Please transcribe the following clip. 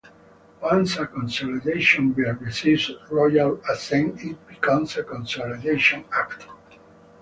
Once a consolidation bill receives royal assent it becomes a consolidation Act.